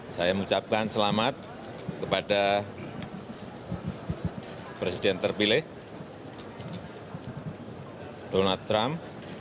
saya mengucapkan selamat kepada presiden terpilih donald trump